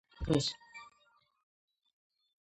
საფრანგეთის ჩემპიონი მარსელის „ოლიმპიკის“ შემადგენლობაში.